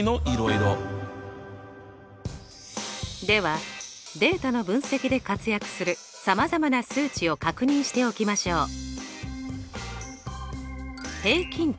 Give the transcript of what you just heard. ではデータの分析で活躍するさまざまな数値を確認しておきましょう。